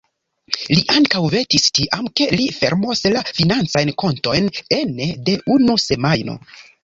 Li ankaŭ vetis tiam, ke li fermos la financajn kontojn ene de unu semajno.